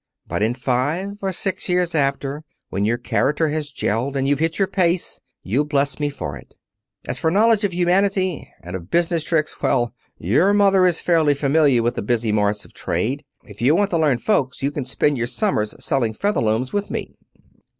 But in five or six years after, when your character has jelled, and you've hit your pace, you'll bless me for it. As for a knowledge of humanity, and of business tricks well, your mother is fairly familiar with the busy marts of trade. If you want to learn folks you can spend your summers selling Featherlooms with me."